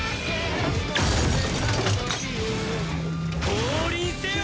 降臨せよ！